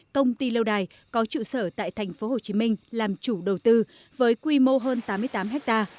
công ty lâu đài có trụ sở tại tp hcm làm chủ đầu tư với quy mô hơn tám mươi tám ha